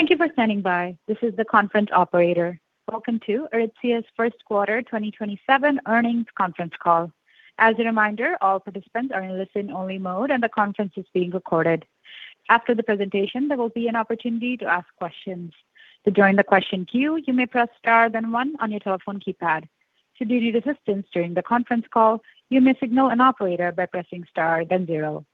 Thank you for standing by. This is the conference operator. Welcome to Aritzia's first quarter 2027 earnings conference call. As a reminder, all participants are in listen-only mode and the conference is being recorded. After the presentation, there will be an opportunity to ask questions. To join the question queue, you may press star then one on your telephone keypad. Should you need assistance during the conference call, you may signal an operator by pressing star then zero.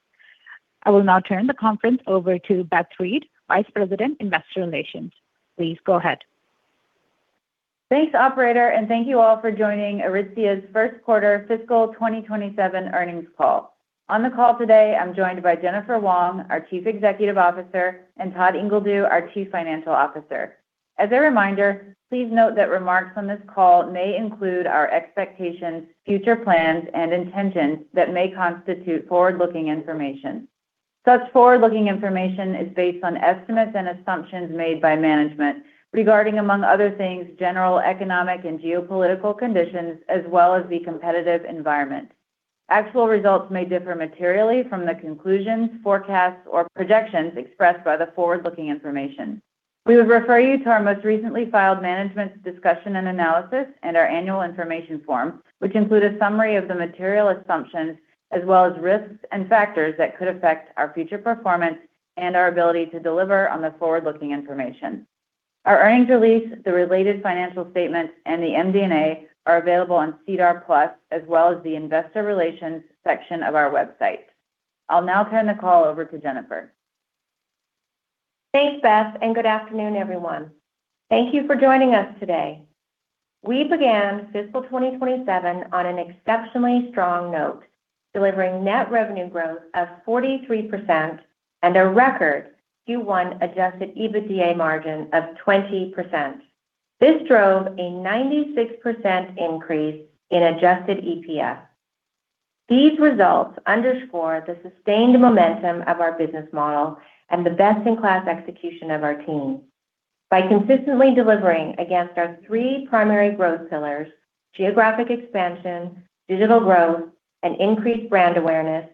I will now turn the conference over to Beth Reed, Vice President, Investor Relations. Please go ahead. Thanks, operator, and thank you all for joining Aritzia's first quarter fiscal 2027 earnings call. On the call today, I'm joined by Jennifer Wong, our Chief Executive Officer, and Todd Ingledew, our Chief Financial Officer. As a reminder, please note that remarks on this call may include our expectations, future plans, and intentions that may constitute forward-looking information. Such forward-looking information is based on estimates and assumptions made by management regarding, among other things, general economic and geopolitical conditions, as well as the competitive environment. Actual results may differ materially from the conclusions, forecasts, or projections expressed by the forward-looking information. We would refer you to our most recently filed management's discussion and analysis and our annual information form, which include a summary of the material assumptions as well as risks and factors that could affect our future performance and our ability to deliver on the forward-looking information. Our earnings release, the related financial statements, and the MD&A are available on SEDAR+ as well as the investor relations section of our website. I'll now turn the call over to Jennifer. Thanks, Beth, and good afternoon, everyone. Thank you for joining us today. We began fiscal 2027 on an exceptionally strong note, delivering net revenue growth of 43% and a record Q1 adjusted EBITDA margin of 20%. This drove a 96% increase in adjusted EPS. These results underscore the sustained momentum of our business model and the best-in-class execution of our team. By consistently delivering against our three primary growth pillars, geographic expansion, digital growth, and increased brand awareness,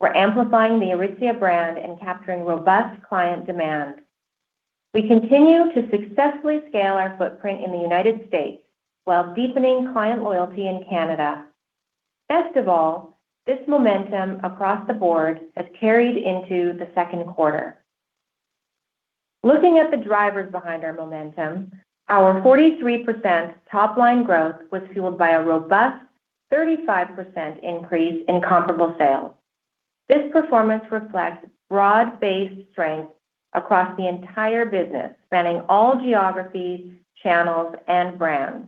we're amplifying the Aritzia brand and capturing robust client demand. We continue to successfully scale our footprint in the United States while deepening client loyalty in Canada. Best of all, this momentum across the board has carried into the second quarter. Looking at the drivers behind our momentum, our 43% top-line growth was fueled by a robust 35% increase in comparable sales. This performance reflects broad-based strength across the entire business, spanning all geographies, channels, and brands.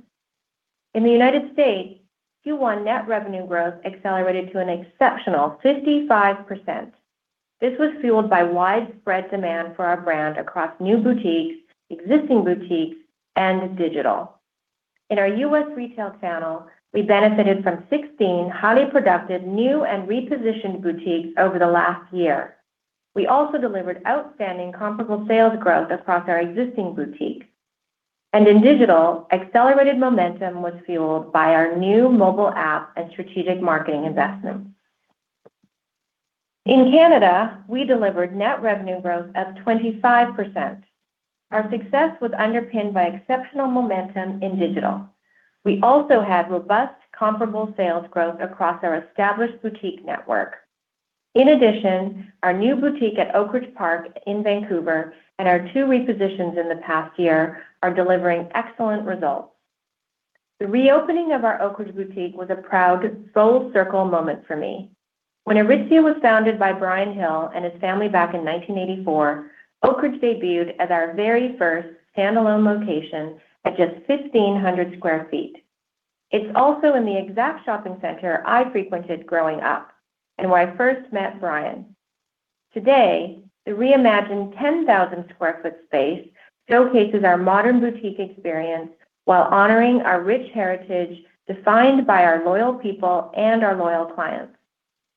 In the United States, Q1 net revenue growth accelerated to an exceptional 55%. This was fueled by widespread demand for our brand across new boutiques, existing boutiques, and digital. In our U.S. retail channel, we benefited from 16 highly productive new and repositioned boutiques over the last year. We also delivered outstanding comparable sales growth across our existing boutiques. In digital, accelerated momentum was fueled by our new mobile app and strategic marketing investments. In Canada, we delivered net revenue growth of 25%. Our success was underpinned by exceptional momentum in digital. We also had robust comparable sales growth across our established boutique network. In addition, our new boutique at Oakridge Park in Vancouver and our two repositions in the past year are delivering excellent results. The reopening of our Oakridge boutique was a proud full-circle moment for me. When Aritzia was founded by Brian Hill and his family back in 1984, Oakridge debuted as our very first standalone location at just 1,500 sq ft. It is also in the exact shopping center I frequented growing up and where I first met Brian. Today, the reimagined 10,000 sq ft space showcases our modern boutique experience while honoring our rich heritage defined by our loyal people and our loyal clients.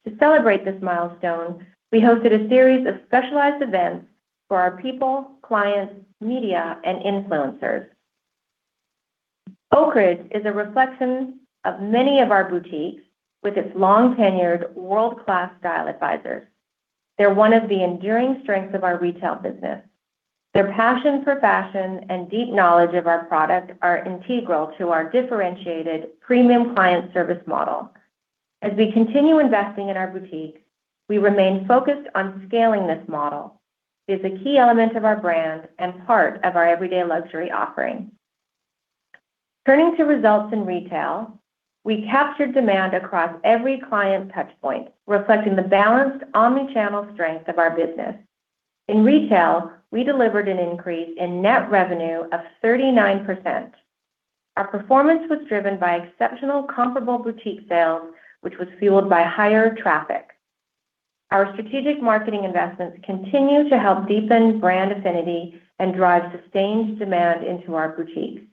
To celebrate this milestone, we hosted a series of specialized events for our people, clients, media, and influencers. Oakridge is a reflection of many of our boutiques with its long-tenured world-class style advisors. They are one of the enduring strengths of our retail business. Their passion for fashion and deep knowledge of our product are integral to our differentiated premium client service model. As we continue investing in our boutiques, we remain focused on scaling this model. It is a key element of our brand and part of our Everyday Luxury offering. Turning to results in retail, we captured demand across every client touchpoint, reflecting the balanced omni-channel strength of our business. In retail, we delivered an increase in net revenue of 39%. Our performance was driven by exceptional comparable boutique sales, which was fueled by higher traffic. Our strategic marketing investments continue to help deepen brand affinity and drive sustained demand into our boutiques.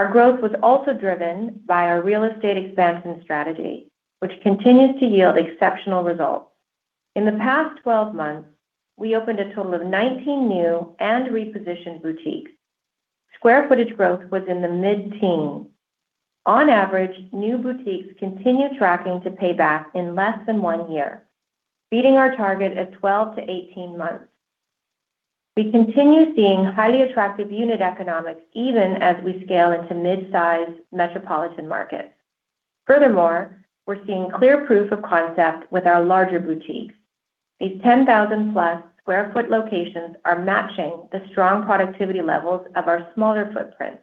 Our growth was also driven by our real estate expansion strategy, which continues to yield exceptional results. In the past 12 months, we opened a total of 19 new and repositioned boutiques. Square footage growth was in the mid-teen. On average, new boutiques continue tracking to pay back in less than one year, beating our target of 12-18 months. We continue seeing highly attractive unit economics even as we scale into mid-size metropolitan markets. Furthermore, we are seeing clear proof of concept with our larger boutiques. These 10,000+ sq ft locations are matching the strong productivity levels of our smaller footprints.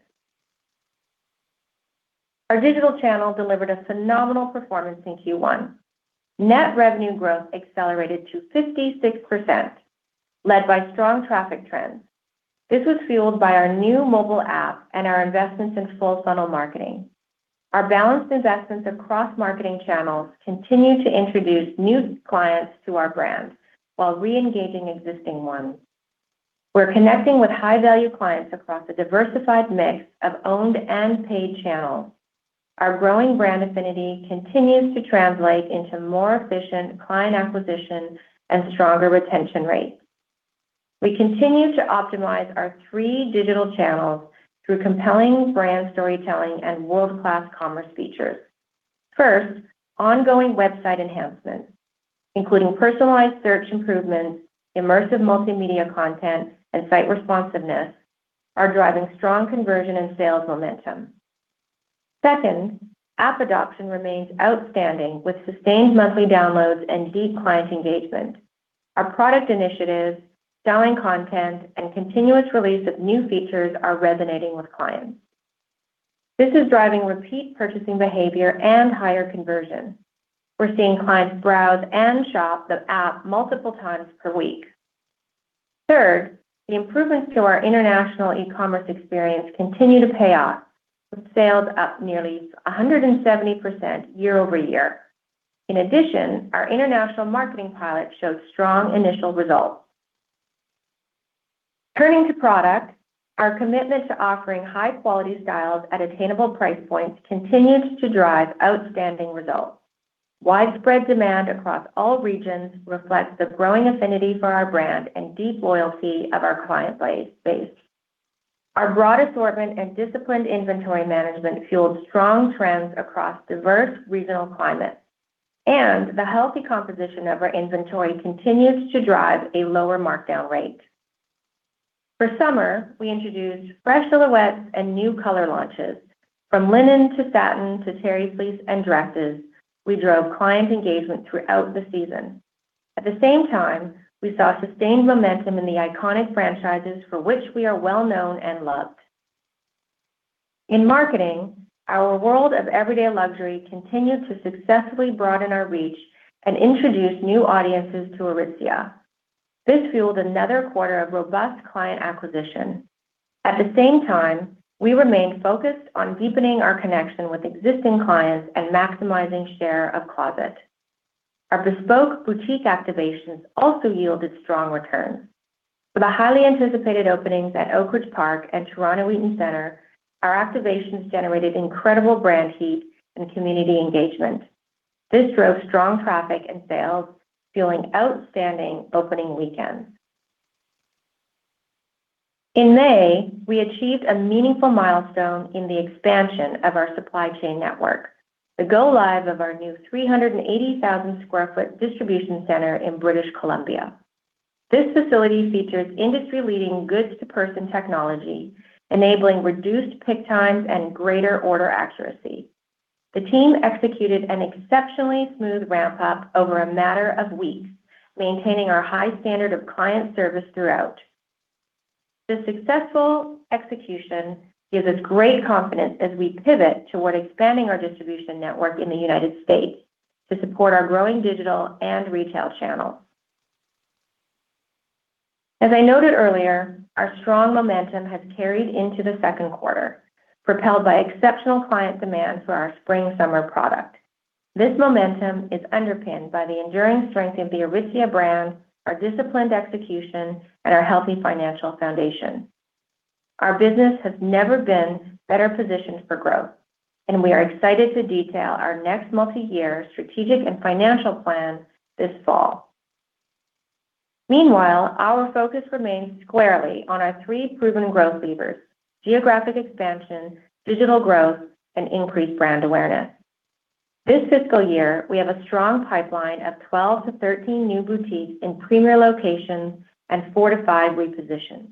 Our digital channel delivered a phenomenal performance in Q1. Net revenue growth accelerated to 56%, led by strong traffic trends. This was fueled by our new mobile app and our investments in full-funnel marketing. Our balanced investments across marketing channels continue to introduce new clients to our brand while re-engaging existing ones. We are connecting with high-value clients across a diversified mix of owned and paid channels. Our growing brand affinity continues to translate into more efficient client acquisition and stronger retention rates. We continue to optimize our three digital channels through compelling brand storytelling and world-class commerce features. First, ongoing website enhancements, including personalized search improvements, immersive multimedia content, and site responsiveness are driving strong conversion and sales momentum. Second, app adoption remains outstanding with sustained monthly downloads and deep client engagement. Our product initiatives, styling content, and continuous release of new features are resonating with clients. This is driving repeat purchasing behavior and higher conversion. We're seeing clients browse and shop the app multiple times per week. Third, the improvements to our international e-commerce experience continue to pay off, with sales up nearly 170% year-over-year. In addition, our international marketing pilot showed strong initial results. Turning to product, our commitment to offering high-quality styles at attainable price points continues to drive outstanding results. Widespread demand across all regions reflects the growing affinity for our brand and deep loyalty of our client base. Our broad assortment and disciplined inventory management fueled strong trends across diverse regional climates. The healthy composition of our inventory continues to drive a lower markdown rate. For summer, we introduced fresh silhouettes and new color launches. From linen to satin to terry fleece and dresses, we drove client engagement throughout the season. At the same time, we saw sustained momentum in the iconic franchises for which we are well-known and loved. In marketing, our world of Everyday Luxury continued to successfully broaden our reach and introduce new audiences to Aritzia. This fueled another quarter of robust client acquisition. At the same time, we remained focused on deepening our connection with existing clients and maximizing share of closet. Our bespoke boutique activations also yielded strong returns. With the highly anticipated openings at Oakridge Park and Toronto Eaton Centre, our activations generated incredible brand heat and community engagement. This drove strong traffic and sales, fueling outstanding opening weekends. In May, we achieved a meaningful milestone in the expansion of our supply chain network, the go live of our new 380,000 sq ft distribution center in British Columbia. This facility features industry-leading goods-to-person technology, enabling reduced pick times and greater order accuracy. The team executed an exceptionally smooth ramp-up over a matter of weeks, maintaining our high standard of client service throughout. This successful execution gives us great confidence as we pivot toward expanding our distribution network in the United States to support our growing digital and retail channels. As I noted earlier, our strong momentum has carried into the second quarter, propelled by exceptional client demand for our spring/summer product. This momentum is underpinned by the enduring strength of the Aritzia brand, our disciplined execution, and our healthy financial foundation. Our business has never been better positioned for growth. We are excited to detail our next multi-year strategic and financial plan this fall. Meanwhile, our focus remains squarely on our three proven growth levers, geographic expansion, digital growth, and increased brand awareness. This fiscal year, we have a strong pipeline of 12-13 new boutiques in premier locations and four to five repositions.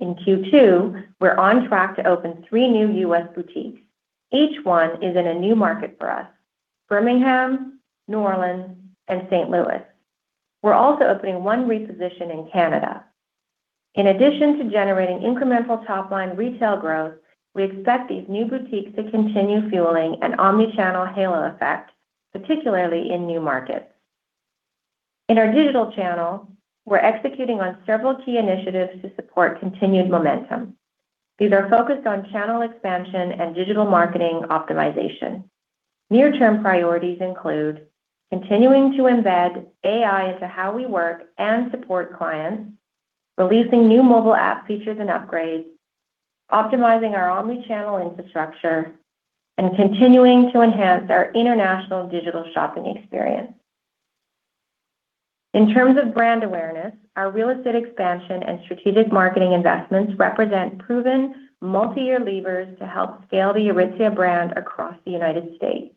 In Q2, we're on track to open three new U.S. boutiques. Each one is in a new market for us, Birmingham, New Orleans, and St. Louis. We're also opening one reposition in Canada. In addition to generating incremental top-line retail growth, we expect these new boutiques to continue fueling an omnichannel halo effect, particularly in new markets. In our digital channel, we're executing on several key initiatives to support continued momentum. These are focused on channel expansion and digital marketing optimization. Near-term priorities include continuing to embed AI into how we work and support clients, releasing new mobile app features and upgrades, optimizing our omnichannel infrastructure, and continuing to enhance our international digital shopping experience. In terms of brand awareness, our real estate expansion and strategic marketing investments represent proven multi-year levers to help scale the Aritzia brand across the United States.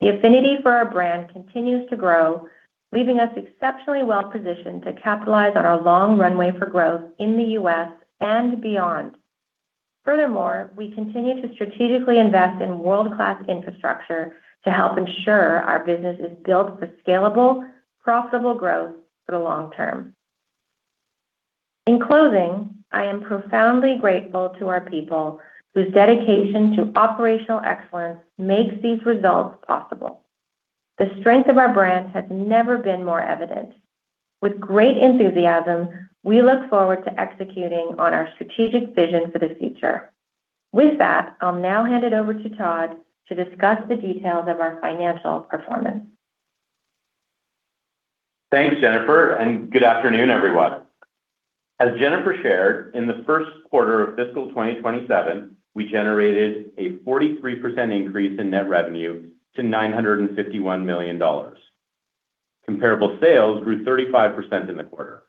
The affinity for our brand continues to grow, leaving us exceptionally well-positioned to capitalize on our long runway for growth in the U.S. and beyond. Furthermore, we continue to strategically invest in world-class infrastructure to help ensure our business is built for scalable, profitable growth for the long term. In closing, I am profoundly grateful to our people, whose dedication to operational excellence makes these results possible. The strength of our brand has never been more evident. With great enthusiasm, we look forward to executing on our strategic vision for the future. With that, I'll now hand it over to Todd to discuss the details of our financial performance. Thanks, Jennifer and good afternoon everyone. As Jennifer shared, in the first quarter of fiscal 2027, we generated a 43% increase in net revenue to 951 million dollars. Comparable sales grew 35% in the quarter.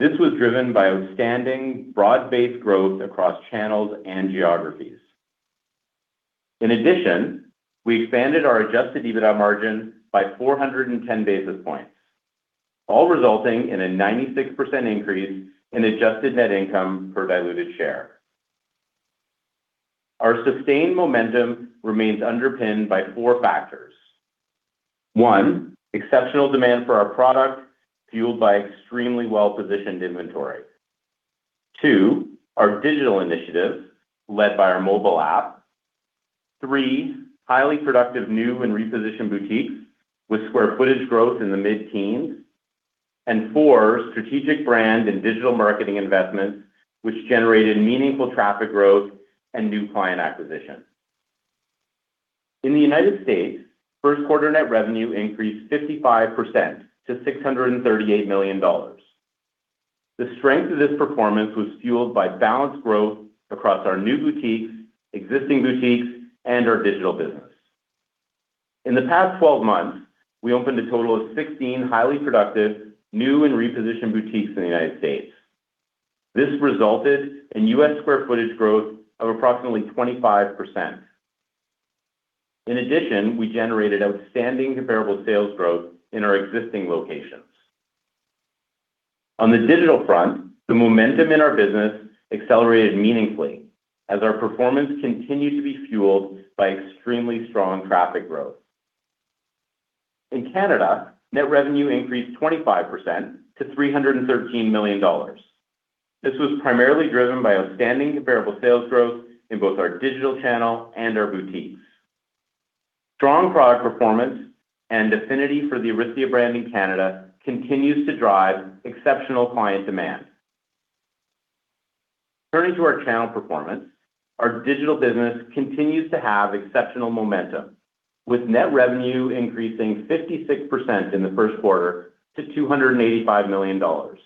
This was driven by outstanding, broad-based growth across channels and geographies. In addition, we expanded our adjusted EBITDA margin by 410 basis points, all resulting in a 96% increase in adjusted net income per diluted share. Our sustained momentum remains underpinned by four factors. One, exceptional demand for our product, fueled by extremely well-positioned inventory. Two, our digital initiative, led by our mobile app. Three, highly productive new and repositioned boutiques, with square footage growth in the mid-teens. Four, strategic brand and digital marketing investment, which generated meaningful traffic growth and new client acquisition. In the United States, first quarter net revenue increased 55% to 638 million dollars. The strength of this performance was fueled by balanced growth across our new boutiques, existing boutiques, and our digital business. In the past 12 months, we opened a total of 16 highly productive new and repositioned boutiques in the United States. This resulted in U.S. square footage growth of approximately 25%. In addition, we generated outstanding comparable sales growth in our existing locations. On the digital front, the momentum in our business accelerated meaningfully as our performance continued to be fueled by extremely strong traffic growth. In Canada, net revenue increased 25% to 313 million dollars. This was primarily driven by outstanding comparable sales growth in both our digital channel and our boutiques. Strong product performance and affinity for the Aritzia brand in Canada continues to drive exceptional client demand. Turning to our channel performance, our digital business continues to have exceptional momentum, with net revenue increasing 56% in the first quarter to 285 million dollars.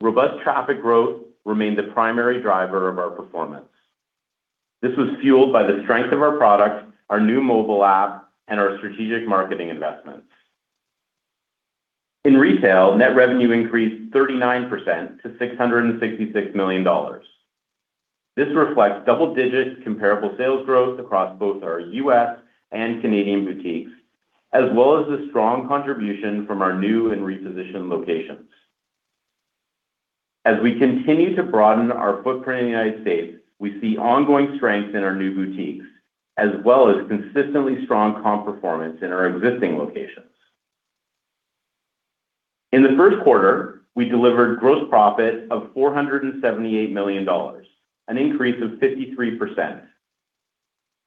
Robust traffic growth remained the primary driver of our performance. This was fueled by the strength of our product, our new mobile app, and our strategic marketing investments. In retail, net revenue increased 39% to 666 million dollars. This reflects double-digit comparable sales growth across both our U.S. and Canadian boutiques, as well as the strong contribution from our new and repositioned locations. As we continue to broaden our footprint in the United States, we see ongoing strength in our new boutiques, as well as consistently strong comp performance in our existing locations. In the first quarter, we delivered gross profit of 478 million dollars, an increase of 53%.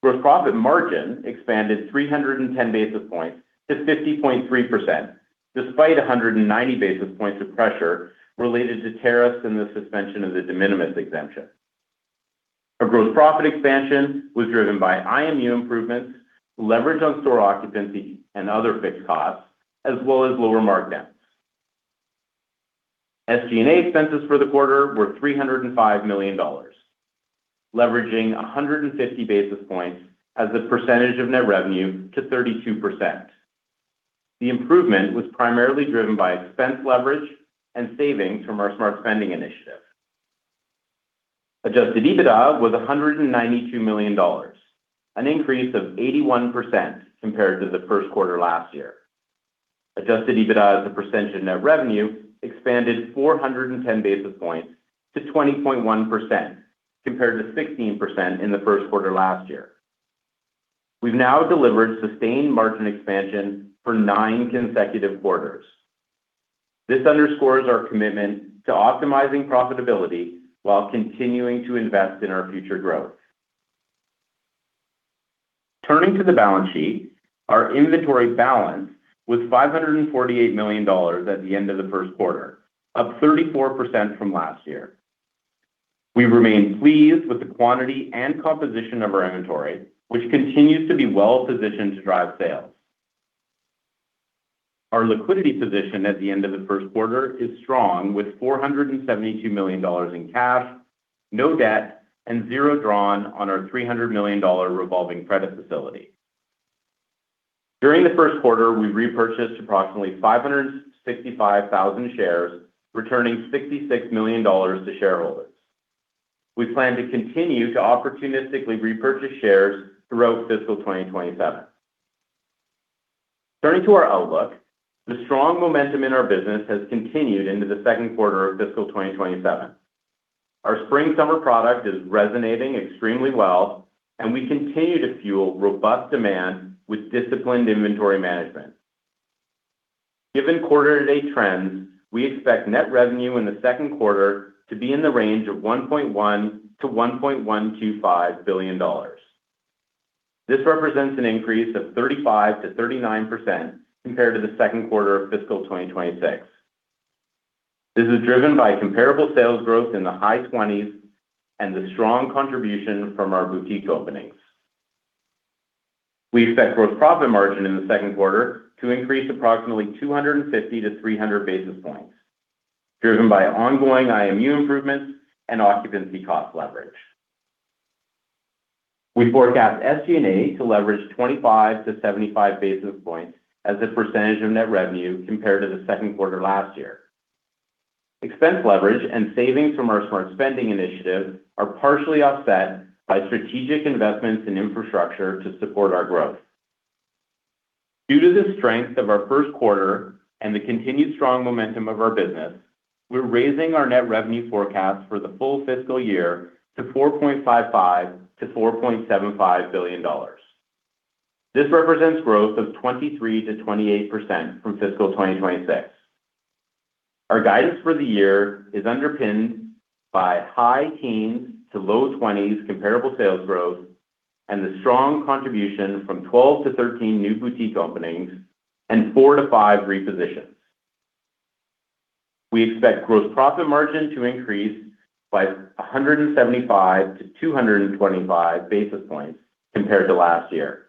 Gross profit margin expanded 310 basis points to 50.3%, despite 190 basis points of pressure related to tariffs and the suspension of the de minimis exemption. Our gross profit expansion was driven by IMU improvements, leverage on store occupancy and other fixed costs, as well as lower markdowns. SG&A expenses for the quarter were 305 million dollars, leveraging 150 basis points as a percentage of net revenue to 32%. The improvement was primarily driven by expense leverage and savings from our Smart Spending Initiative. Adjusted EBITDA was 192 million dollars, an increase of 81% compared to the first quarter last year. Adjusted EBITDA as a percentage of net revenue expanded 410 basis points to 20.1%, compared to 16% in the first quarter last year. We've now delivered sustained margin expansion for nine consecutive quarters. This underscores our commitment to optimizing profitability while continuing to invest in our future growth. Turning to the balance sheet, our inventory balance was 548 million dollars at the end of the first quarter, up 34% from last year. We remain pleased with the quantity and composition of our inventory, which continues to be well-positioned to drive sales. Our liquidity position at the end of the first quarter is strong, with 472 million dollars in cash, no debt, and zero drawn on our 300 million dollar revolving credit facility. During the first quarter, we repurchased approximately 565,000 shares, returning 66 million dollars to shareholders. We plan to continue to opportunistically repurchase shares throughout fiscal 2027. Turning to our outlook, the strong momentum in our business has continued into the second quarter of fiscal 2027. Our spring/summer product is resonating extremely well, and we continue to fuel robust demand with disciplined inventory management. Given quarter-to-date trends, we expect net revenue in the second quarter to be in the range of 1.1 billion-1.125 billion dollars. This represents an increase of 35%-39% compared to the second quarter of fiscal 2026. This is driven by comparable sales growth in the high 20s and the strong contribution from our boutique openings. We expect gross profit margin in the second quarter to increase approximately 250-300 basis points, driven by ongoing IMU improvements and occupancy cost leverage. We forecast SG&A to leverage 25-75 basis points as a percentage of net revenue compared to the second quarter last year. Expense leverage and savings from our Smart Spending Initiative are partially offset by strategic investments in infrastructure to support our growth. Due to the strength of our first quarter and the continued strong momentum of our business, we're raising our net revenue forecast for the full fiscal year to 4.55 billion-4.75 billion dollars. This represents growth of 23%-28% from fiscal 2026. Our guidance for the year is underpinned by high teens to low 20s comparable sales growth and the strong contribution from 12-13 new boutique openings and four to five repositions. We expect gross profit margin to increase by 175-225 basis points compared to last year.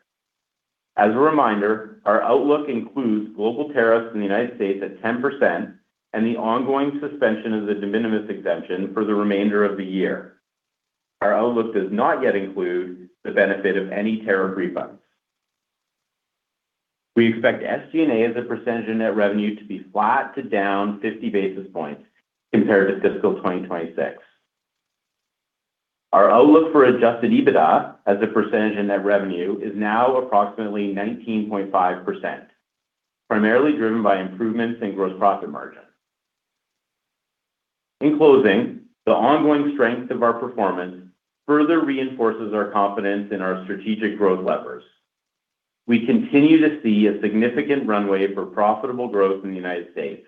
As a reminder, our outlook includes global tariffs in the United States at 10% and the ongoing suspension of the de minimis exemption for the remainder of the year. Our outlook does not yet include the benefit of any tariff refunds. We expect SG&A as a percentage of net revenue to be flat to down 50 basis points compared to fiscal 2026. Our outlook for adjusted EBITDA as a percentage of net revenue is now approximately 19.5%, primarily driven by improvements in gross profit margin. In closing, the ongoing strength of our performance further reinforces our confidence in our strategic growth levers. We continue to see a significant runway for profitable growth in the United States.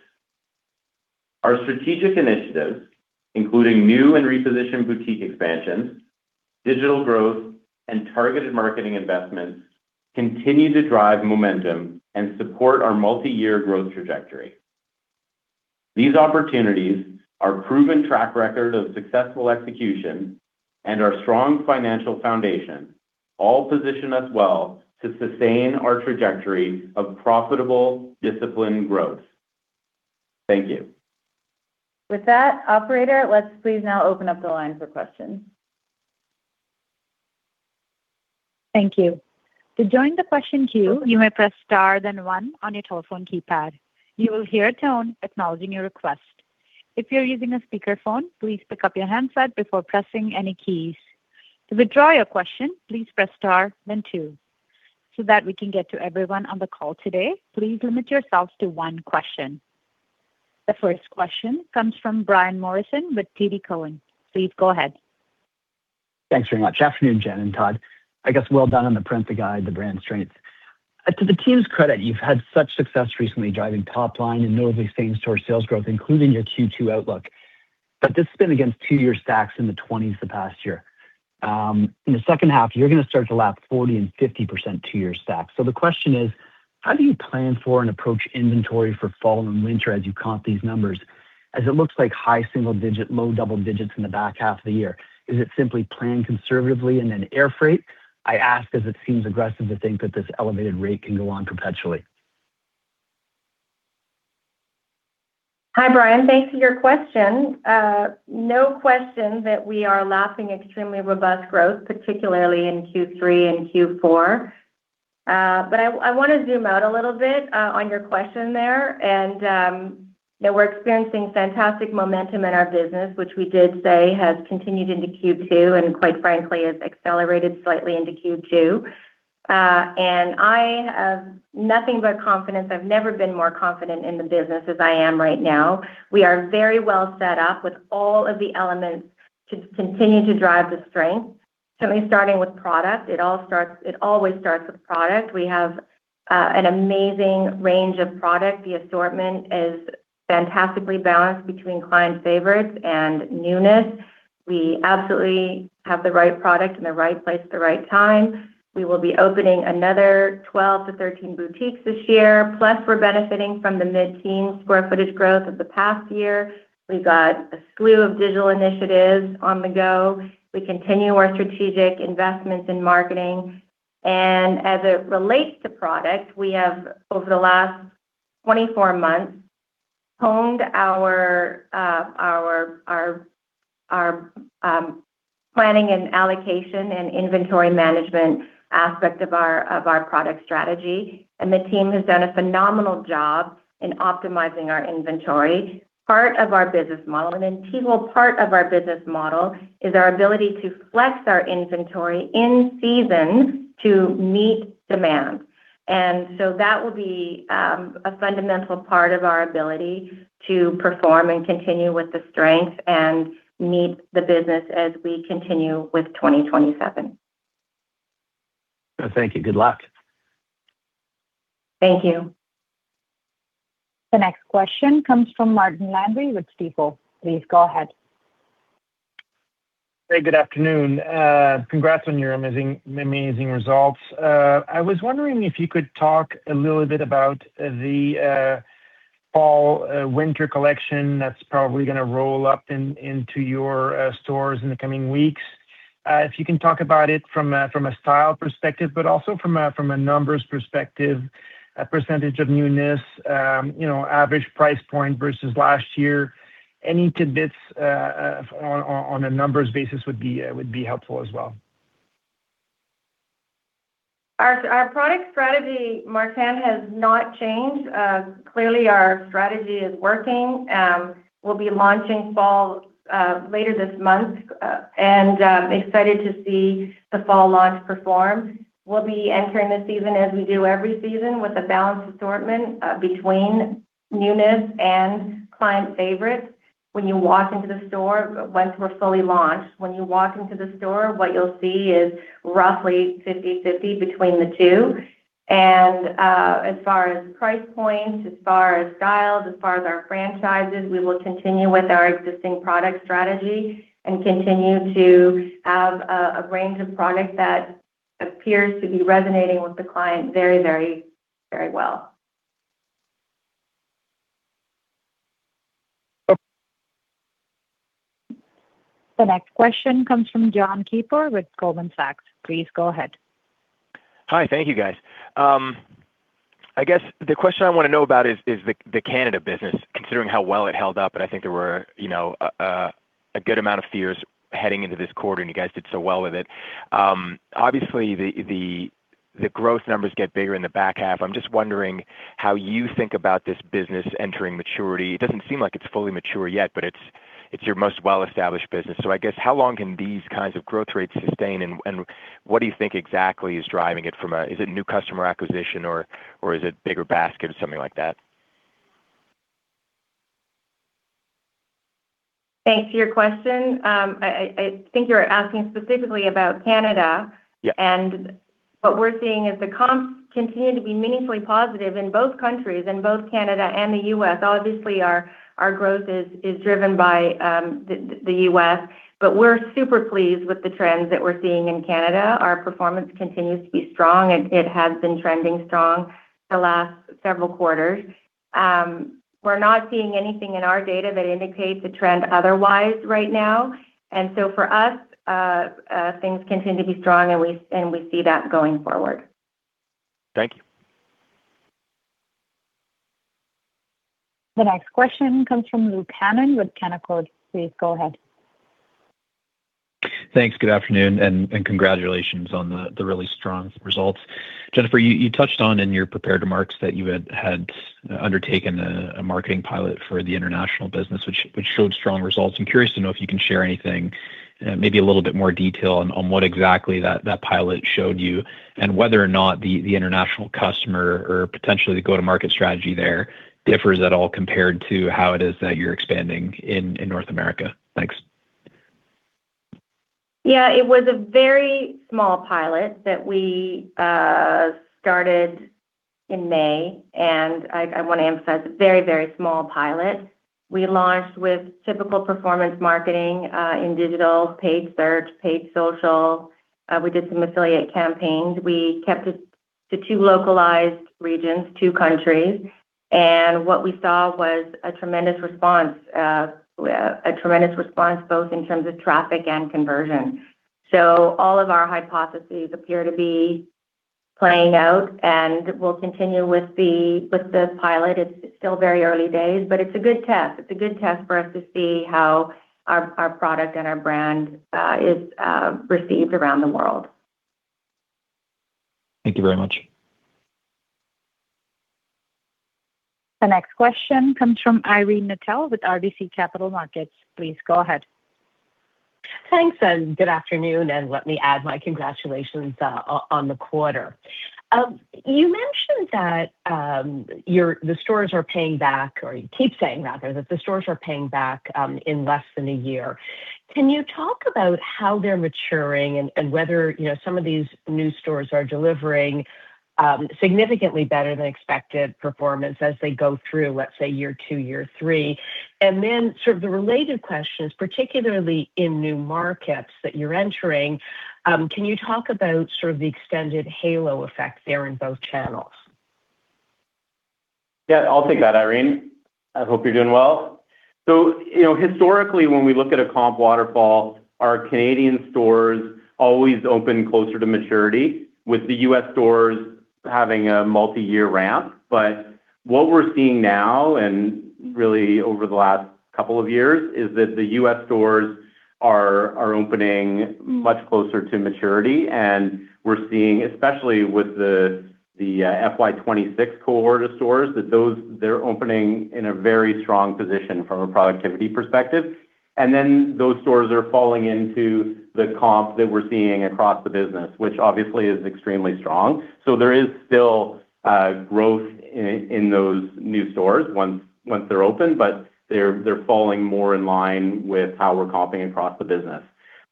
Our strategic initiatives, including new and repositioned boutique expansions, digital growth, and targeted marketing investments, continue to drive momentum and support our multi-year growth trajectory. These opportunities, our proven track record of successful execution, and our strong financial foundation all position us well to sustain our trajectory of profitable, disciplined growth. Thank you. With that, operator, let's please now open up the line for questions. Thank you. To join the question queue, you may press star then one on your telephone keypad. You will hear a tone acknowledging your request. If you're using a speakerphone, please pick up your handset before pressing any keys. To withdraw your question, please press star then two. That we can get to everyone on the call today, please limit yourselves to one question. The first question comes from Brian Morrison with TD Cowen. Please go ahead. Thanks very much. Afternoon, Jen and Todd. I guess well done on the print, the guide, the brand strengths. To the team's credit, you've had such success recently driving top-line and notably same-store sales growth, including your Q2 outlook, but this has been against two-year stacks in the 20s the past year. In the second half, you're going to start to lap 40% and 50% two-year stacks. The question is: how do you plan for and approach inventory for fall and winter as you comp these numbers? As it looks like high single digit, low double digits in the back half of the year. Is it simply plan conservatively and then air freight? I ask as it seems aggressive to think that this elevated rate can go on perpetually. Hi, Brian. Thanks for your question. No question that we are lapping extremely robust growth, particularly in Q3 and Q4. I want to zoom out a little bit on your question there. We're experiencing fantastic momentum in our business, which we did say has continued into Q2, and quite frankly, has accelerated slightly into Q2. I have nothing but confidence. I've never been more confident in the business as I am right now. We are very well set up with all of the elements to continue to drive the strength, certainly starting with product. It always starts with product. We have an amazing range of product. The assortment is fantastically balanced between client favorites and newness. We absolutely have the right product in the right place at the right time. We will be opening another 12-13 boutiques this year. Plus, we're benefiting from the mid-teen square footage growth of the past year. We've got a slew of digital initiatives on the go. We continue our strategic investments in marketing. As it relates to product, we have, over the last 24 months, honed our planning and allocation and inventory management aspect of our product strategy. The team has done a phenomenal job in optimizing our inventory. Part of our business model, an integral part of our business model, is our ability to flex our inventory in season to meet demand. That will be a fundamental part of our ability to perform and continue with the strength and meet the business as we continue with 2027. Thank you. Good luck. Thank you. The next question comes from Martin Landry with Stifel. Please go ahead. Hey, good afternoon. Congrats on your amazing results. I was wondering if you could talk a little bit about the fall/winter collection that's probably going to roll up into your stores in the coming weeks. If you can talk about it from a style perspective, but also from a numbers perspective, a percentage of newness, average price point versus last year. Any tidbits on a numbers basis would be helpful as well. Our product strategy, Martin, has not changed. Clearly, our strategy is working. We'll be launching fall later this month, and excited to see the fall launch perform. We'll be entering the season as we do every season with a balanced assortment between newness and client favorites. When you walk into the store, once we're fully launched, what you'll see is roughly 50/50 between the two. As far as price points, as far as styles, as far as our franchises, we will continue with our existing product strategy and continue to have a range of product that appears to be resonating with the client very well. Okay. The next question comes from Jon Keypour with Goldman Sachs. Please go ahead. Hi. Thank you, guys. I guess the question I want to know about is the Canada business, considering how well it held up. I think there were a good amount of fears heading into this quarter. You guys did so well with it. Obviously, the growth numbers get bigger in the back half. I'm just wondering how you think about this business entering maturity. It doesn't seem like it's fully mature yet, but it's your most well-established business. I guess, how long can these kinds of growth rates sustain, and what do you think exactly is driving it? Is it new customer acquisition, or is it bigger basket or something like that? Thanks for your question. I think you're asking specifically about Canada. Yeah. What we're seeing is the comps continue to be meaningfully positive in both countries, in both Canada and the U.S. Obviously, our growth is driven by the U.S. We're super pleased with the trends that we're seeing in Canada. Our performance continues to be strong. It has been trending strong for the last several quarters. We're not seeing anything in our data that indicates a trend otherwise right now. For us, things continue to be strong, and we see that going forward. Thank you. The next question comes from Luke Hannan with Canaccord. Please go ahead. Thanks. Good afternoon. Congratulations on the really strong results. Jennifer, you touched on, in your prepared remarks, that you had undertaken a marketing pilot for the international business, which showed strong results. I'm curious to know if you can share anything, maybe a little bit more detail, on what exactly that pilot showed you, and whether or not the international customer or potentially the go-to-market strategy there differs at all compared to how it is that you're expanding in North America. Thanks. Yeah. It was a very small pilot that we started in May. I want to emphasize a very small pilot. We launched with typical performance marketing in digital, paid search, paid social. We did some affiliate campaigns. We kept it to two localized regions, two countries. What we saw was a tremendous response, both in terms of traffic and conversion. All of our hypotheses appear to be playing out. We'll continue with the pilot. It's still very early days, but it's a good test. It's a good test for us to see how our product and our brand is received around the world. Thank you very much. The next question comes from Irene Nattel with RBC Capital Markets. Please go ahead. Thanks. Good afternoon, and let me add my congratulations on the quarter. You mentioned that the stores are paying back, or you keep saying, rather, that the stores are paying back in less than one year. Can you talk about how they're maturing and whether some of these new stores are delivering significantly better than expected performance as they go through, let's say, year two, year three? Then, the related question is, particularly in new markets that you're entering, can you talk about the extended halo effect there in both channels? Yeah, I'll take that, Irene. I hope you're doing well. Historically, when we look at a comp waterfall, our Canadian stores always open closer to maturity, with the U.S. stores having a multi-year ramp. What we're seeing now, and really over the last couple of years, is that the U.S. stores are opening much closer to maturity. We're seeing, especially with the FY 2026 cohort of stores, that they're opening in a very strong position from a productivity perspective. Then those stores are falling into the comps that we're seeing across the business, which obviously is extremely strong. There is still growth in those new stores once they're open, but they're falling more in line with how we're comping across the business.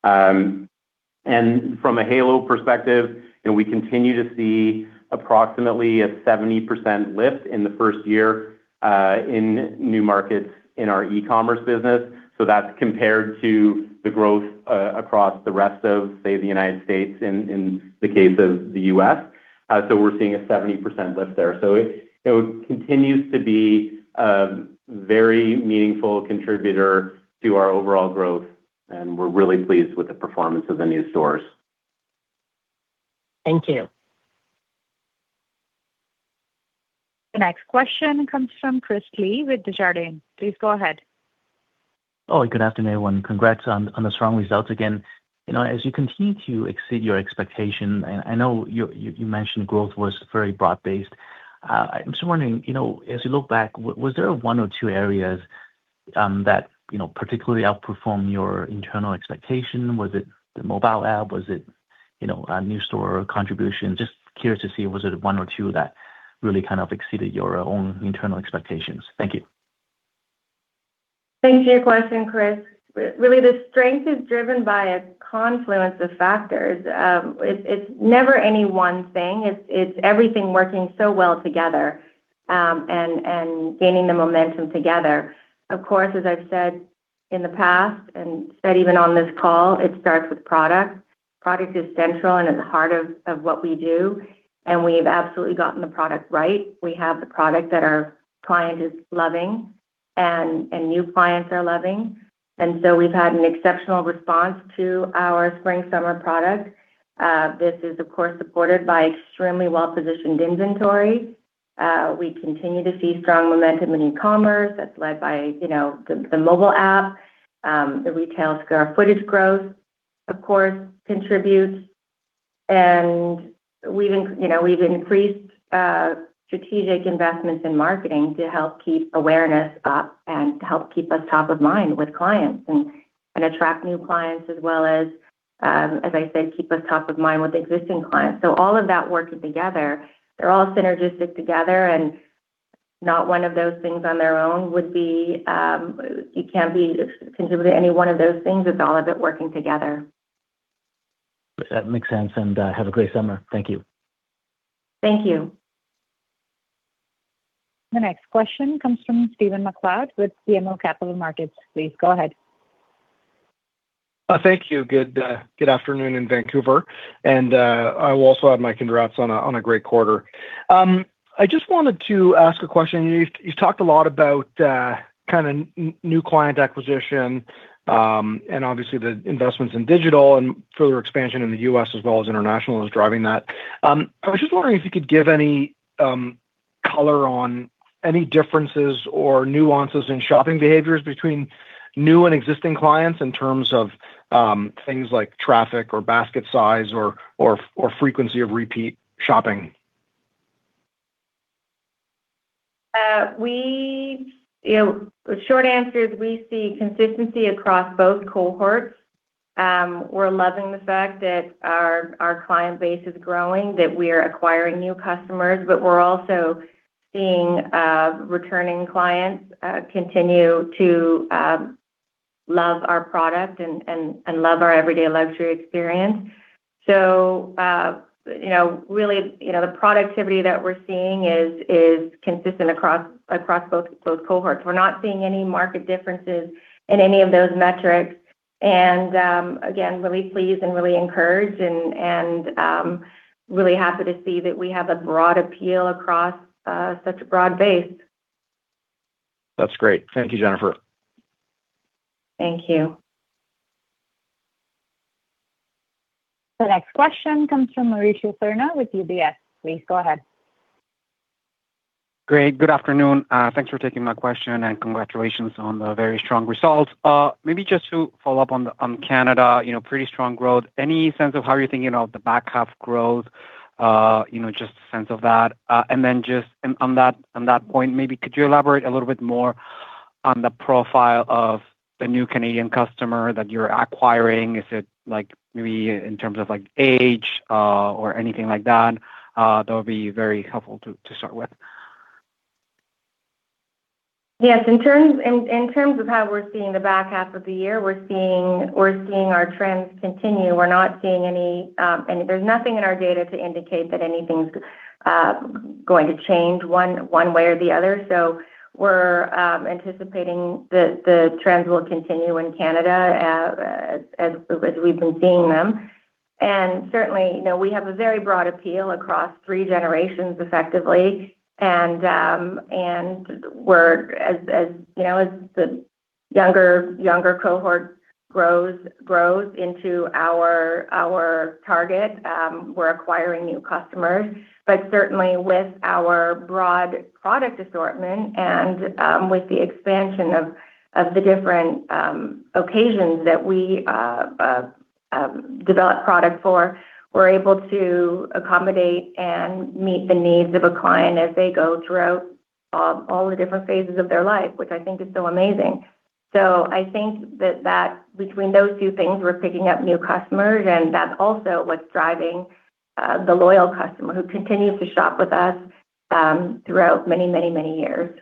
From a halo perspective, we continue to see approximately a 70% lift in the first year, in new markets in our e-commerce business. That's compared to the growth across the rest of, say, the United States in the case of the U.S. We're seeing a 70% lift there. It continues to be a very meaningful contributor to our overall growth, and we're really pleased with the performance of the new stores. Thank you. The next question comes from Chris Li with Desjardins. Please go ahead. Good afternoon, everyone. Congrats on the strong results again. As you continue to exceed your expectation, I know you mentioned growth was very broad-based. I'm just wondering, as you look back, was there one or two areas that particularly outperformed your internal expectation? Was it the mobile app? Was it a new store contribution? Just curious to see, was it one or two that really kind of exceeded your own internal expectations? Thank you. Thanks for your question, Chris. Really, the strength is driven by a confluence of factors. It's never any one thing. It's everything working so well together, and gaining the momentum together. Of course, as I've said in the past and said even on this call, it starts with product. Product is central and at the heart of what we do, and we've absolutely gotten the product right. We have the product that our client is loving and new clients are loving. We've had an exceptional response to our spring/summer product. This is, of course, supported by extremely well-positioned inventory. We continue to see strong momentum in e-commerce that's led by the mobile app. The retail square footage growth, of course, contributes. We've increased strategic investments in marketing to help keep awareness up and to help keep us top of mind with clients, and attract new clients as well as I said, keep us top of mind with existing clients. All of that working together, they're all synergistic together, and not one of those things on their own. It can't be contributed to any one of those things. It's all of it working together. That makes sense. Have a great summer. Thank you. Thank you. The next question comes from Stephen MacLeod with BMO Capital Markets. Please go ahead. Thank you. Good afternoon in Vancouver. I will also add my congrats on a great quarter. I just wanted to ask a question. You've talked a lot about kind of new client acquisition, obviously, the investments in digital and further expansion in the U.S. as well as international is driving that. I was just wondering if you could give any color on any differences or nuances in shopping behaviors between new and existing clients in terms of things like traffic or basket size or frequency of repeat shopping. The short answer is we see consistency across both cohorts. We're loving the fact that our client base is growing, that we're acquiring new customers, we're also seeing returning clients continue to love our product and love our Everyday Luxury experience. Really, the productivity that we're seeing is consistent across both cohorts. We're not seeing any marked differences in any of those metrics. Again, really pleased and really encouraged and really happy to see that we have a broad appeal across such a broad base. That's great. Thank you, Jennifer. Thank you. The next question comes from Mauricio Serna with UBS. Please go ahead. Great. Good afternoon. Thanks for taking my question. Congratulations on the very strong results. Maybe just to follow up on Canada, pretty strong growth. Any sense of how you're thinking of the back half growth? Just a sense of that. Then just on that point, maybe could you elaborate a little bit more on the profile of the new Canadian customer that you're acquiring? Is it maybe in terms of age or anything like that? That would be very helpful to start with. Yes, in terms of how we're seeing the back half of the year, we're seeing our trends continue. There's nothing in our data to indicate that anything's going to change one way or the other. We're anticipating the trends will continue in Canada as we've been seeing them. Certainly, we have a very broad appeal across three generations effectively. As the younger cohort grows into our target, we're acquiring new customers. Certainly with our broad product assortment and with the expansion of the different occasions that we develop product for, we're able to accommodate and meet the needs of a client as they go throughout all the different phases of their life, which I think is so amazing. I think that between those two things, we're picking up new customers, and that's also what's driving the loyal customer who continues to shop with us throughout many years.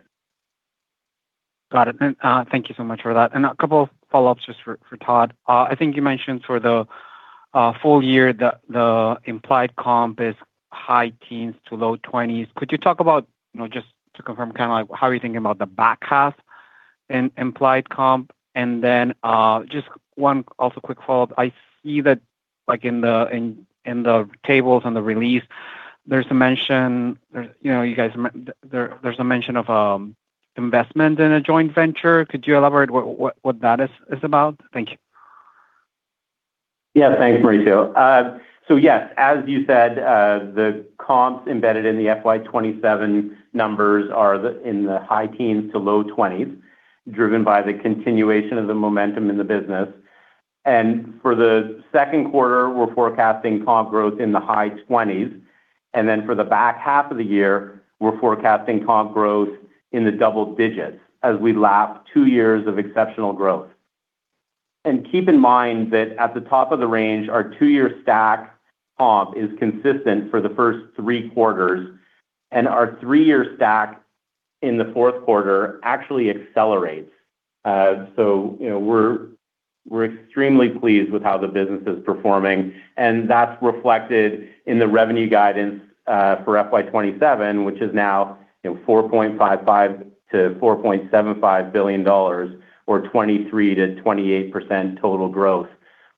Got it. Thank you so much for that. A couple of follow-ups just for Todd. I think you mentioned for the full year, the implied comp is high teens to low 20s. Could you talk about, just to confirm, how are you thinking about the back half and implied comp? Just one also quick follow-up. I see that in the tables on the release, there's a mention of investment in a joint venture. Could you elaborate what that is about? Thank you. Yeah. Thanks, Mauricio. Yes, as you said, the comps embedded in the FY 2027 numbers are in the high teens to low 20s, driven by the continuation of the momentum in the business. For the second quarter, we're forecasting comp growth in the high 20s. For the back half of the year, we're forecasting comp growth in the double digits as we lap two years of exceptional growth. Keep in mind that at the top of the range, our two-year stack comp is consistent for the first three quarters, and our three-year stack in the fourth quarter actually accelerates. We're extremely pleased with how the business is performing, and that's reflected in the revenue guidance for FY 2027, which is now 4.55 billion-4.75 billion dollars, or 23%-28% total growth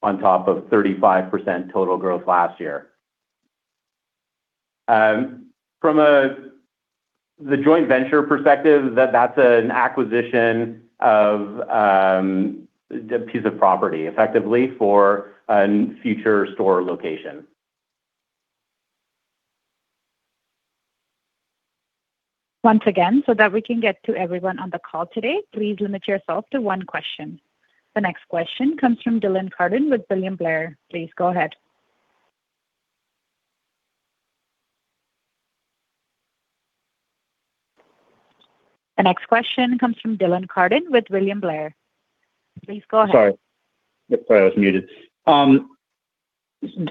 on top of 35% total growth last year. From the joint venture perspective, that's an acquisition of a piece of property effectively for a future store location. Once again, so that we can get to everyone on the call today, please limit yourself to one question. The next question comes from Dylan Carden with William Blair. Please go ahead. Sorry, I was muted.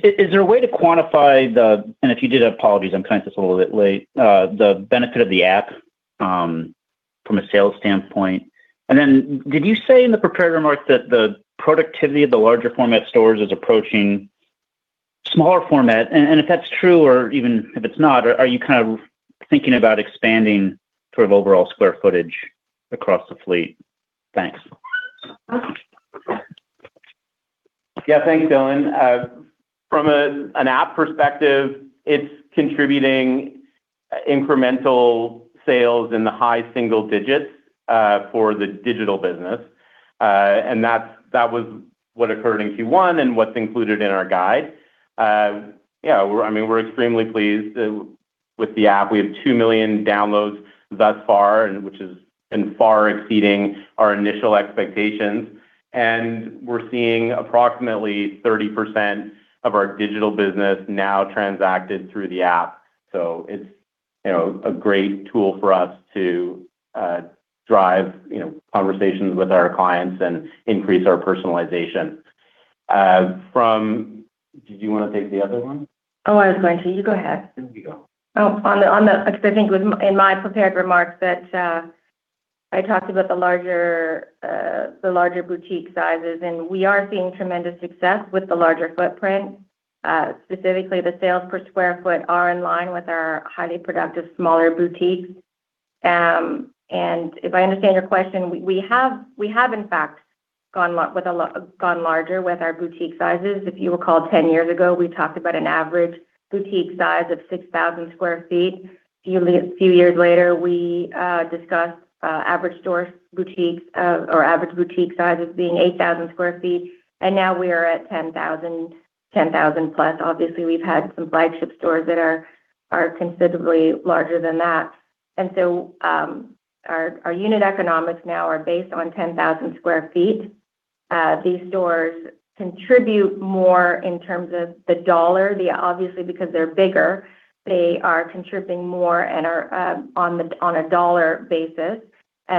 Is there a way to quantify the, and if you did, apologies, I'm kind of just a little bit late, the benefit of the app from a sales standpoint? Did you say in the prepared remarks that the productivity of the larger format stores is approaching smaller format? If that's true, or even if it's not, are you thinking about expanding overall square footage across the fleet? Thanks. Thanks, Dylan. From an app perspective, it's contributing incremental sales in the high single digits, for the digital business. That was what occurred in Q1 and what's included in our guide. We're extremely pleased with the app. We have 2 million downloads thus far, which has been far exceeding our initial expectations. We're seeing approximately 30% of our digital business now transacted through the app. It's a great tool for us to drive conversations with our clients and increase our personalization. Did you want to take the other one? I was going to. You go ahead. There we go. I think it was in my prepared remarks that I talked about the larger boutique sizes. We are seeing tremendous success with the larger footprint. Specifically, the sales per square foot are in line with our highly productive smaller boutiques. If I understand your question, we have in fact gone larger with our boutique sizes. If you recall, 10 years ago, we talked about an average boutique size of 6,000 sq ft. A few years later, we discussed average boutique sizes being 8,000 sq ft, and now we are at 10,000+ sq ft. Obviously, we've had some flagship stores that are considerably larger than that. Our unit economics now are based on 10,000 sq ft. These stores contribute more in terms of the dollar. Obviously, because they're bigger, they are contributing more and are on a dollar basis.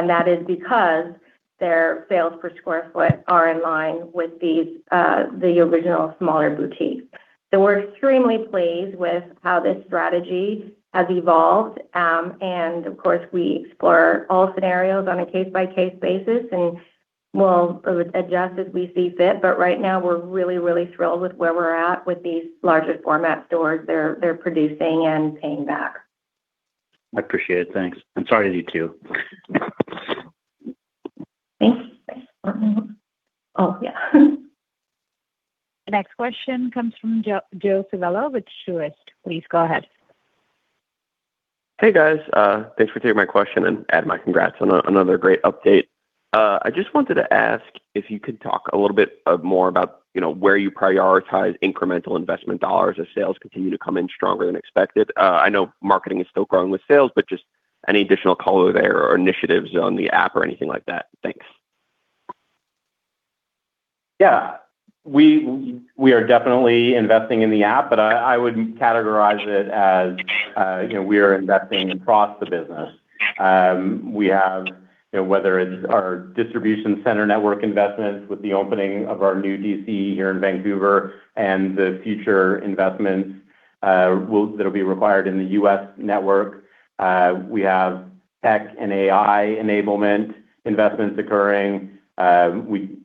That is because their sales per square foot are in line with the original smaller boutiques. We're extremely pleased with how this strategy has evolved. Of course, we explore all scenarios on a case-by-case basis, and we'll adjust as we see fit. Right now, we're really thrilled with where we're at with these larger format stores. They're producing and paying back. I appreciate it. Thanks. Sorry to you, too. Thanks. Oh, yeah. The next question comes from Joseph Civello with Truist. Please go ahead. Hey, guys. Thanks for taking my question. Add my congrats on another great update. I just wanted to ask if you could talk a little bit more about where you prioritize incremental investment dollars as sales continue to come in stronger than expected. I know marketing is still growing with sales. Just any additional color there or initiatives on the app or anything like that. Thanks. Yeah. We are definitely investing in the app. I would categorize it as we are investing across the business. We have, whether it's our distribution center network investments with the opening of our new DC here in Vancouver and the future investments that'll be required in the U.S. network. We have tech and AI enablement investments occurring.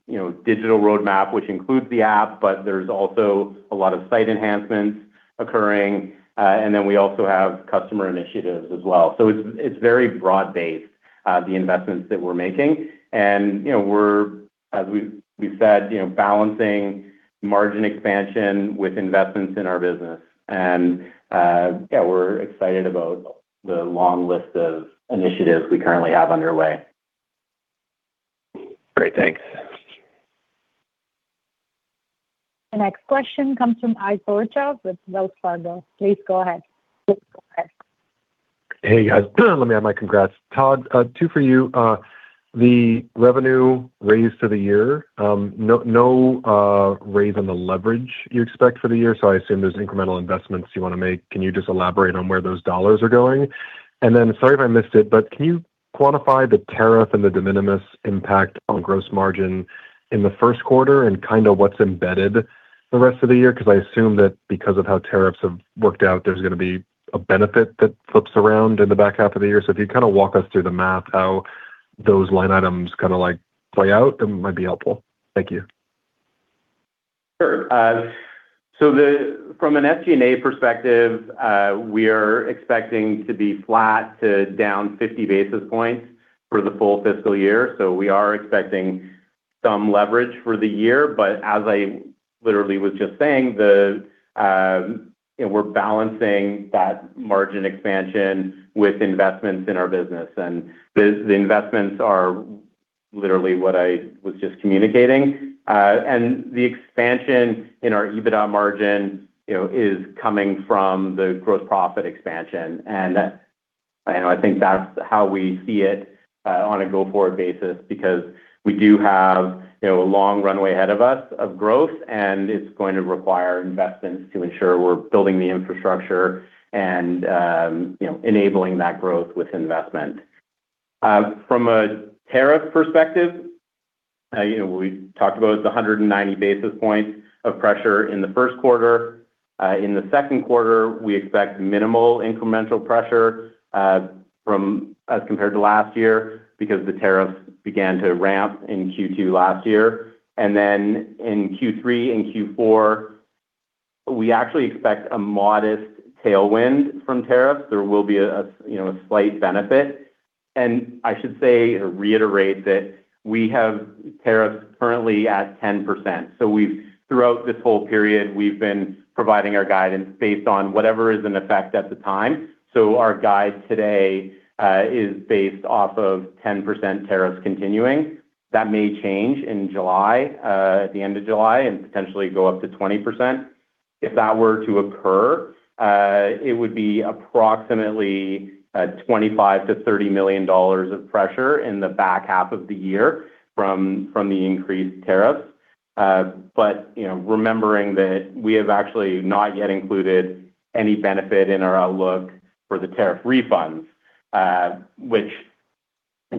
Digital roadmap, which includes the app, there's also a lot of site enhancements occurring. We also have customer initiatives as well. It's very broad-based, the investments that we're making. We're, as we've said, balancing margin expansion with investments in our business. Yeah, we're excited about the long list of initiatives we currently have underway. Great. Thanks. The next question comes from Ike Boruchow with Wells Fargo. Please go ahead. Hey, guys. Let me add my congrats. Todd, two for you. The revenue raise for the year. No raise on the leverage you expect for the year, so I assume there's incremental investments you want to make. Can you just elaborate on where those dollars are going? Sorry if I missed it, but can you quantify the tariff and the de minimis impact on gross margin in the first quarter and kind of what's embedded the rest of the year? Because I assume that because of how tariffs have worked out, there's going to be a benefit that flips around in the back half of the year. If you walk us through the math, how those line items play out, that might be helpful. Thank you. Sure. From an SG&A perspective, we are expecting to be flat to down 50 basis points for the full fiscal year. We are expecting some leverage for the year, but as I literally was just saying, we're balancing that margin expansion with investments in our business. The investments are literally what I was just communicating. The expansion in our EBITDA margin is coming from the gross profit expansion. I think that's how we see it on a go-forward basis, because we do have a long runway ahead of us of growth, and it's going to require investments to ensure we're building the infrastructure and enabling that growth with investment. From a tariff perspective, we talked about the 190 basis points of pressure in the first quarter. In the second quarter, we expect minimal incremental pressure as compared to last year because the tariffs began to ramp in Q2 last year. In Q3 and Q4, we actually expect a modest tailwind from tariffs. There will be a slight benefit. I should say, or reiterate, that we have tariffs currently at 10%. Throughout this whole period, we've been providing our guidance based on whatever is in effect at the time. Our guide today is based off of 10% tariffs continuing. That may change in July, at the end of July, and potentially go up to 20%. If that were to occur, it would be approximately 25 million-30 million dollars of pressure in the back half of the year from the increased tariffs. Remembering that we have actually not yet included any benefit in our outlook for the tariff refunds, which,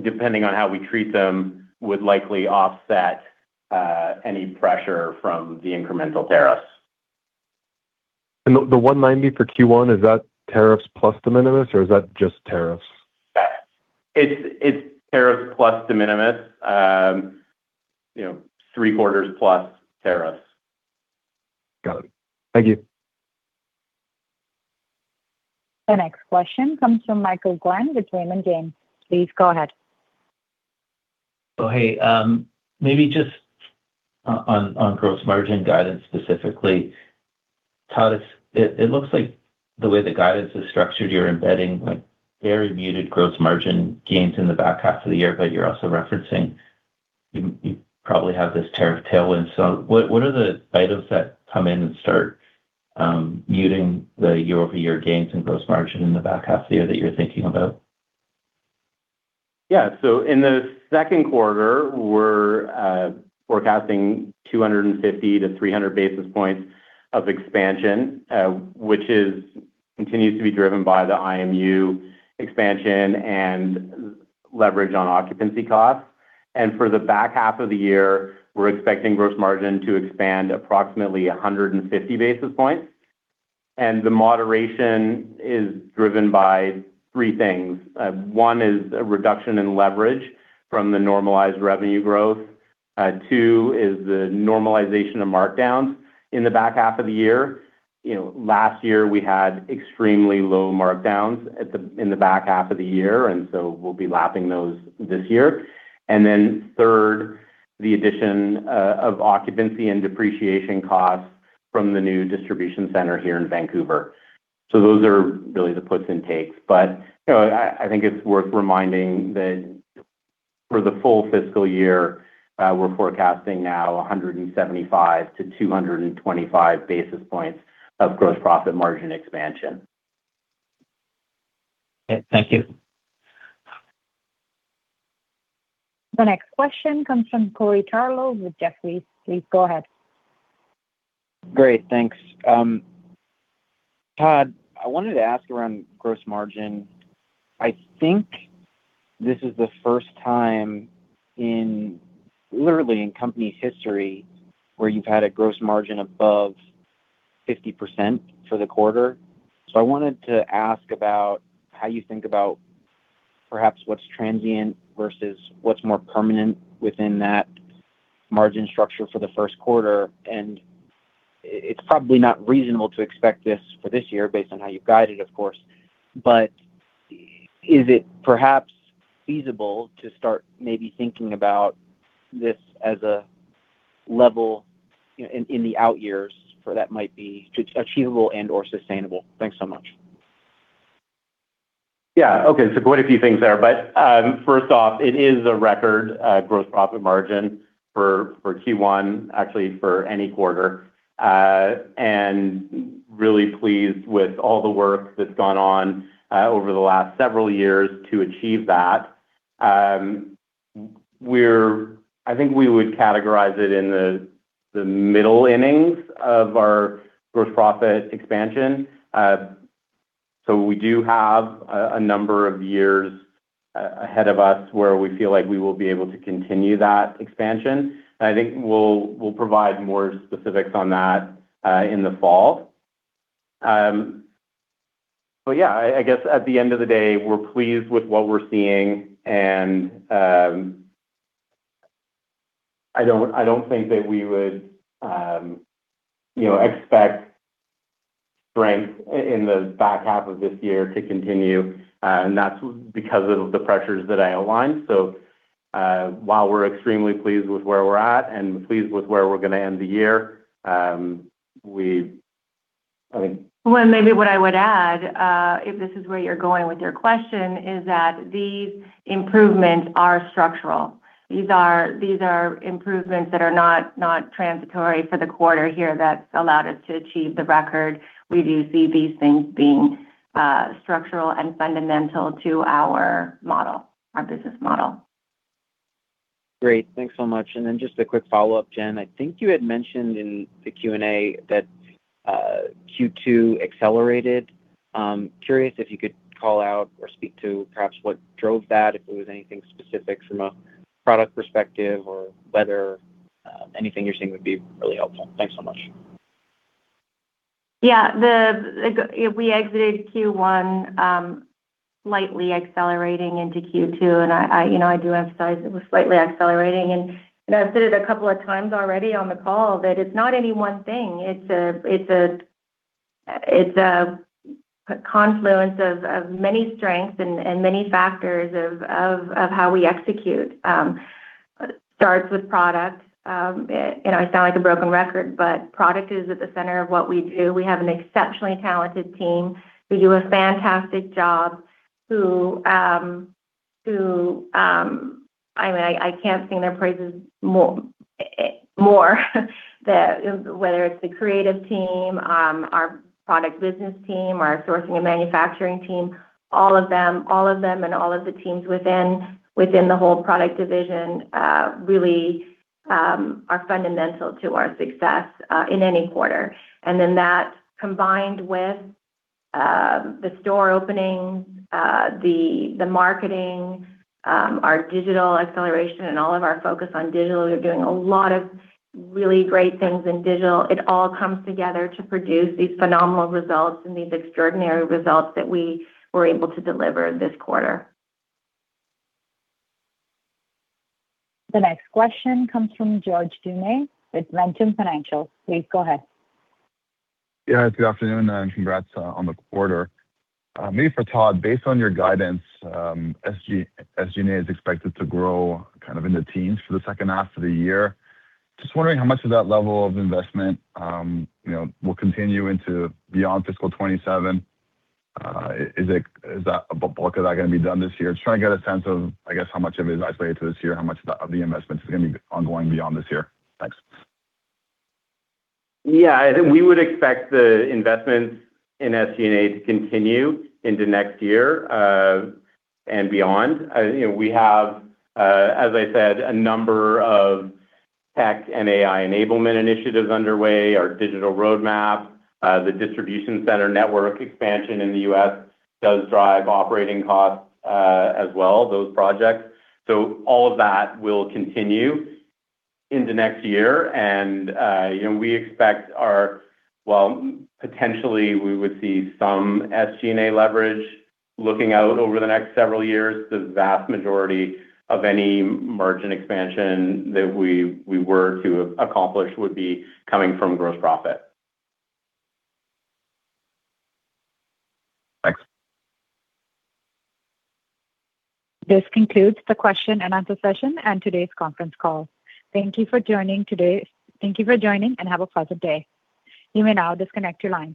depending on how we treat them, would likely offset any pressure from the incremental tariffs. The 190 for Q1, is that tariffs plus de minimis, or is that just tariffs? It's tariffs plus de minimis. Three quarters plus tariffs. Got it. Thank you. The next question comes from Michael Glen with Raymond James. Please go ahead. Oh, hey. Maybe just on gross margin guidance specifically. Todd, it looks like the way the guidance is structured, you're embedding very muted gross margin gains in the back half of the year, but you're also referencing you probably have this tariff tailwind. What are the items that come in and start muting the year-over-year gains in gross margin in the back half of the year that you're thinking about? Yeah. In the second quarter, we're forecasting 250-300 basis points of expansion, which continues to be driven by the IMU expansion and leverage on occupancy costs. For the back half of the year, we're expecting gross margin to expand approximately 150 basis points. The moderation is driven by three things. One is a reduction in leverage from the normalized revenue growth. Two is the normalization of markdowns in the back half of the year. Last year, we had extremely low markdowns in the back half of the year, so we'll be lapping those this year. Then third, the addition of occupancy and depreciation costs from the new distribution center here in Vancouver. Those are really the puts and takes. I think it's worth reminding that for the full fiscal year, we're forecasting now 175-225 basis points of gross profit margin expansion. Okay. Thank you. The next question comes from Corey Tarlowe with Jefferies. Please go ahead. Great. Thanks. Todd, I wanted to ask around gross margin. I think this is the first time literally in company's history where you've had a gross margin above 50% for the quarter. I wanted to ask about how you think about perhaps what's transient versus what's more permanent within that margin structure for the first quarter. It's probably not reasonable to expect this for this year based on how you've guided, of course. Is it perhaps feasible to start maybe thinking about this as a level in the out years for that might be achievable and/or sustainable? Thanks so much. Yeah. Okay. Quite a few things there. First off, it is a record gross profit margin for Q1, actually for any quarter. Really pleased with all the work that's gone on over the last several years to achieve that. I think we would categorize it in the middle innings of our gross profit expansion. We do have a number of years ahead of us where we feel like we will be able to continue that expansion. I think we'll provide more specifics on that in the fall. Yeah, I guess at the end of the day, we're pleased with what we're seeing, and I don't think that we would expect strength in the back half of this year to continue. That's because of the pressures that I outlined. While we're extremely pleased with where we're at and pleased with where we're going to end the year. Well, maybe what I would add, if this is where you're going with your question, is that these improvements are structural. These are improvements that are not transitory for the quarter here that allowed us to achieve the record. We do see these things being structural and fundamental to our business model. Great. Thanks so much. Just a quick follow-up, Jen. I think you had mentioned in the Q&A that Q2 accelerated. Curious if you could call out or speak to perhaps what drove that, if it was anything specific from a product perspective or whether anything you're seeing would be really helpful. Thanks so much. We exited Q1 slightly accelerating into Q2. I do emphasize it was slightly accelerating. I've said it a couple of times already on the call that it's not any one thing. It's a confluence of many strengths and many factors of how we execute. Starts with product. I sound like a broken record, but product is at the center of what we do. We have an exceptionally talented team who do a fantastic job. I can't sing their praises more, whether it's the creative team, our product business team, our sourcing and manufacturing team. All of them, and all of the teams within the whole product division really are fundamental to our success in any quarter. That combined with the store opening, the marketing, our digital acceleration, and all of our focus on digital. We're doing a lot of really great things in digital. It all comes together to produce these phenomenal results and these extraordinary results that we were able to deliver this quarter. The next question comes from George Doumet with Ventum Financial. Please go ahead. Good afternoon, and congrats on the quarter. Maybe for Todd, based on your guidance, SG&A is expected to grow kind of in the teens for the second half of the year. Just wondering how much of that level of investment will continue into beyond fiscal 2027. Is that bulk going to be done this year? Just trying to get a sense of, I guess, how much of it is isolated to this year, how much of the investments are going to be ongoing beyond this year. Thanks. Yeah, I think we would expect the investments in SG&A to continue into next year and beyond. We have, as I said, a number of tech and AI enablement initiatives underway, our digital roadmap. The distribution center network expansion in the U.S. does drive operating costs as well, those projects. All of that will continue into next year. We expect our Well, potentially we would see some SG&A leverage looking out over the next several years. The vast majority of any margin expansion that we were to accomplish would be coming from gross profit. Thanks. This concludes the question-and-answer session and today's conference call. Thank you for joining, and have a pleasant day. You may now disconnect your lines.